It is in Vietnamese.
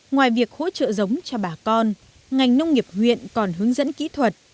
ngoài việc hỗ trợ giống cho bà con ngành nông nghiệp huyện còn hướng dẫn kỹ thuật